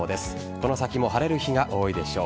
この先も晴れる日が多いでしょう。